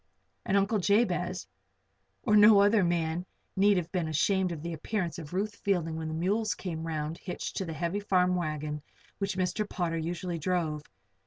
And Uncle Jabez or no other man need have been ashamed of the appearance of Ruth Fielding when the mules came around hitched to the heavy farm wagon which Mr. Potter usually drove.